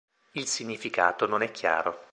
Il significato non è chiaro.